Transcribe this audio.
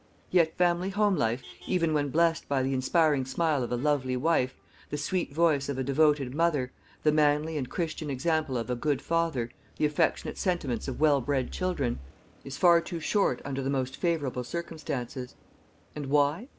Yet, family home life, even when blessed by the inspiring smile of a lovely wife, the sweet voice of a devoted mother, the manly and Christian example of a good father, the affectionate sentiments of well bred children, is far too short under the most favourable circumstances. And why?